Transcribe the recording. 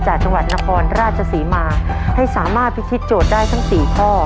จังหวัดนครราชศรีมาให้สามารถพิธีโจทย์ได้ทั้งสี่ข้อ